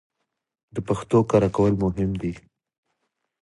د پښتو کره کول مهم دي